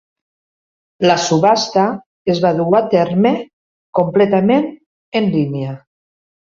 La subhasta es va dur a terme completament en línia.